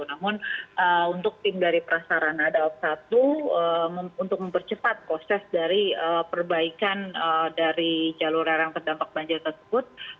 namun untuk tim dari prasarana daob satu untuk mempercepat proses dari perbaikan dari jalur larang terdampak banjir tersebut